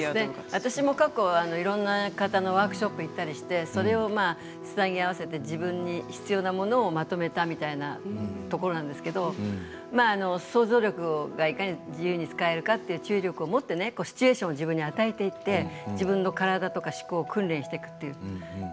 私も過去、いろんな方のワークショップに行ったりしてそれをつなぎ合わせて自分に必要なものをまとめたみたいなところなんですけど創造力がいかに自由に使えるかという注意力をもってシチュエーションを自分に与えていって自分の体や思考を訓練していく。